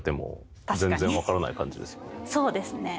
そうですね。